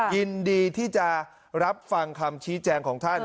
ยินดีที่จะรับฟังคำชี้แจงของท่าน